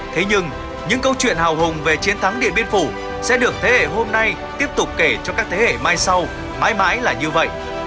thế nhưng những câu chuyện hào hùng về chiến thắng điện biên phủ sẽ được thế hệ hôm nay tiếp tục kể cho các thế hệ mai sau mãi mãi là như vậy